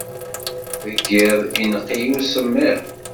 Deg yiḍ, ineqq-iyi usemmiḍ.